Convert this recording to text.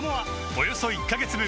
およそ１カ月分